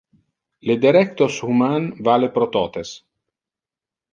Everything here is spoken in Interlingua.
Le derectos human vale pro totes.